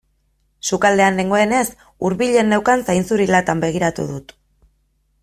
Sukaldean nengoenez hurbilen neukan zainzuri latan begiratu dut.